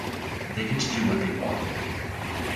They get to do what they want.